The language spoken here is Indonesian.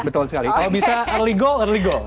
betul sekali kalau bisa early goal early goal